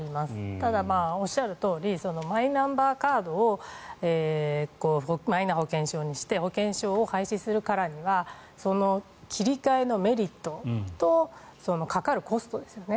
ただ、おっしゃるとおりマイナンバーカードをマイナ保険証にして保険証を廃止するからには切り替えのメリットとかかるコストですよね